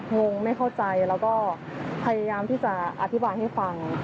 งงไม่เข้าใจแล้วก็พยายามที่จะอธิบายให้ฟัง